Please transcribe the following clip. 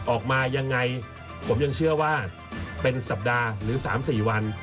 ออกมายังไงผมยังเชื่อว่าเป็นสัปดาห์หรือ๓๔วัน